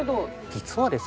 実はですね